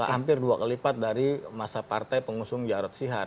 hampir dua kelipat dari masa partai pengusung jarod sihar